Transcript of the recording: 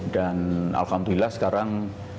dan alhamdulillah sekarang